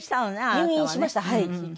入院しました結局。